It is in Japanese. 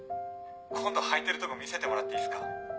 今度履いてるとこ見せてもらっていいっすか？